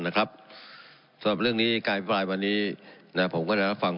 นะครับสำหรับเรื่องนี้การอภิปรายวันนี้นะผมก็ได้รับฟัง